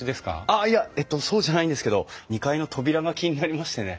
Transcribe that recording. あっいやえっとそうじゃないんですけど２階の扉が気になりましてね。